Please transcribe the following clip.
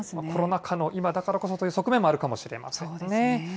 コロナ禍の今だからこそという側面もあるかもしれませんね。